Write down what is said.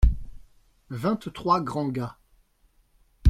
Vingt-trois grands gars.